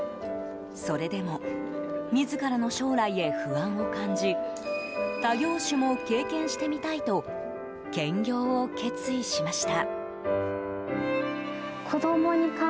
それでも自らの将来へ不安を感じ他業種も経験してみたいと兼業を決意しました。